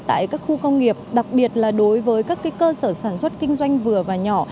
tại các khu công nghiệp đặc biệt là đối với các cơ sở sản xuất kinh doanh vừa và nhỏ